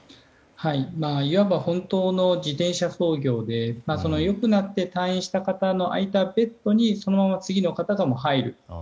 いわば本当の自転車操業で良くなって退院した方の空いたベッドにそのまま次の方が入る。